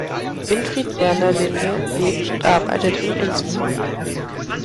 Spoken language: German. Winfried Werner Linde lebt und arbeitet in Innsbruck.